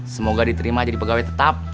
semoga diterima jadi pegawai tetap